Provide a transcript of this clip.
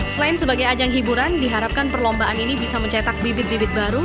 selain sebagai ajang hiburan diharapkan perlombaan ini bisa mencetak bibit bibit baru